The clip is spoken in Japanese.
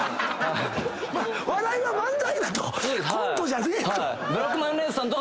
笑いは漫才だと。